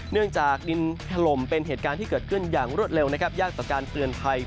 เนื่องจากดินทะลมเป็นเหตุการณ์ที่เกิดขึ้นอย่างรวดเร็วยากจากการเตือนไพค